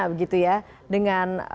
begitu ya dengan